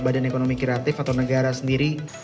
badan ekonomi kreatif atau negara sendiri